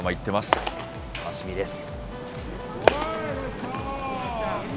楽しみです。